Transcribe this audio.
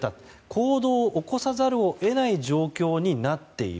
行動を起こさざるを得ない状況になっている。